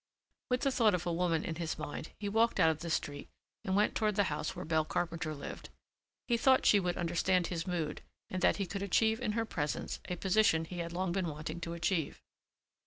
With the thought of a woman in his mind he walked out of the street and went toward the house where Belle Carpenter lived. He thought she would understand his mood and that he could achieve in her presence a position he had long been wanting to achieve.